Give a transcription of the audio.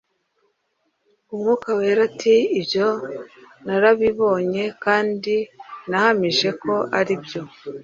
umwuka wera ati Ibyo narabibonye kandi nahamije ko aribyo